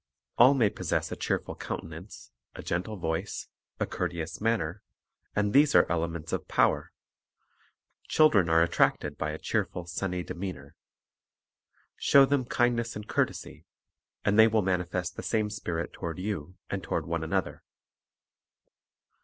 All may possess a cheerful countenance, a gentle voice, a courteous man ner, and these are elements of power. Children are attracted by a cheerful, sunny demeanor. Show them kindness and courtesy, and they will manifest the same spirit toward you and toward one another.